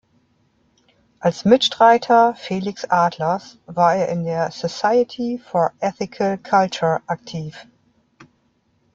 Als Mitstreiter Felix Adlers war er in der Society for Ethical Culture aktiv.